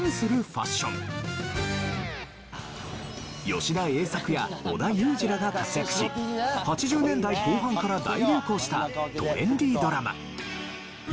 吉田栄作や織田裕二らが活躍し８０年代後半から大流行したトレンディドラマ。